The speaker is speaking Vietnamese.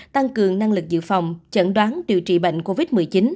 tăng cường năng lực dự phòng chẩn đoán điều trị bệnh covid một mươi chín